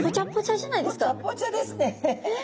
ぽちゃぽちゃですね。